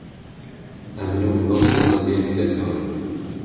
ئهمن و ئهو دڵه لێک دهکا